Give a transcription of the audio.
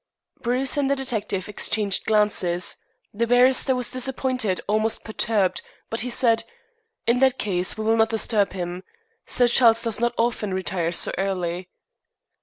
Bruce and the detective exchanged glances. The barrister was disappointed, almost perturbed, but he said: "In that case we will not disturb him. Sir Charles does not often retire so early."